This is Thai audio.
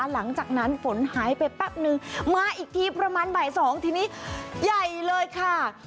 หลังจากนั้นฝนหายไปแป๊บนึงมาอีกทีประมาณบ่าย๒ทีนี้ใหญ่เลยค่ะ